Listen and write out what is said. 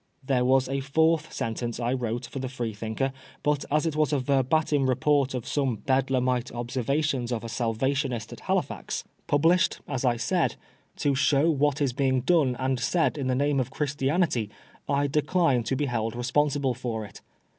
There was a fourth sentence I wrote for the Freethinker^ but as it was a verbatim report of £ome Bedlamite observations of a Salvationist at Halifax, 48 PBISONEB FOB BLASPHEMY. published, as I said, *^ to show what is being done and said in the name of Christianity," I decline to be held responsible for it.